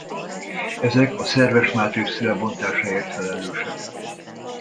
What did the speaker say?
Ezek a szerves mátrix lebontásáért felelősek.